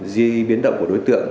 di biến động của đối tượng